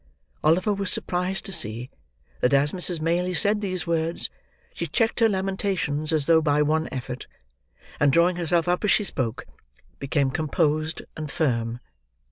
Oliver was surprised to see that as Mrs. Maylie said these words, she checked her lamentations as though by one effort; and drawing herself up as she spoke, became composed and firm.